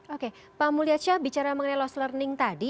oke pak mulyad shah bicara mengenai lost learning tadi